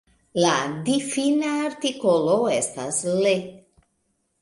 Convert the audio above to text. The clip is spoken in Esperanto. La difina artikolo estas Le.